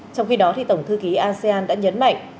trong khi đó tổng thư ký asean đã nhấn mạnh